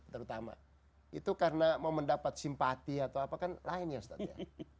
terutama itu karena mau mendapat simpati atau apa kan lain ya ustadz ya